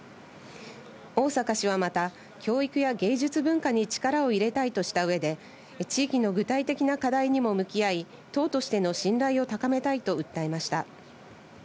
逢坂氏はまた、教育や芸術文化に力を入れたいとしたうえで、地域の具体的な課題にも向き合い、党としての信頼を高めたいと訴えました。